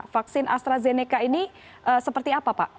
vaksin astrazeneca ini seperti apa pak